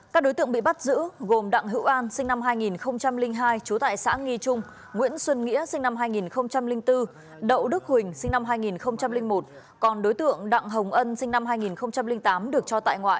các đối tượng bị bắt giữ gồm đặng hữu an sinh năm hai nghìn hai trú tại xã nghi trung nguyễn xuân nghĩa sinh năm hai nghìn bốn đậu đức huỳnh sinh năm hai nghìn một còn đối tượng đặng hồng ân sinh năm hai nghìn tám được cho tại ngoại